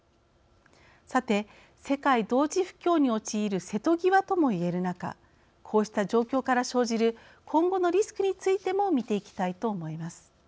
さて、世界同時不況に陥る瀬戸際とも言える中こうした状況から生じる今後のリスクについても見ていきたいと思います。